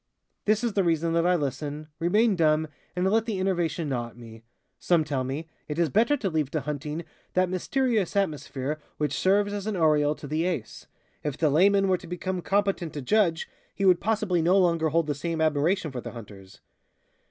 This is the reason that I listen, remain dumb, and let the enervation gnaw at me. Some tell me: "It is better to leave to hunting that mysterious atmosphere which serves as an aureole to the Ace. If the layman were to become competent to judge, he would possibly no longer hold the same admiration for the hunters."